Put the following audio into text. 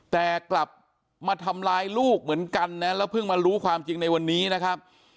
แต่กลับมาทำร้ายลูกเหมือนกันนะแล้วเพิ่งมารู้ความจริงในวันนี้นะครับ